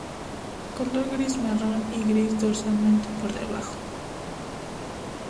Color gris-marrón y gris dorsalmente por debajo.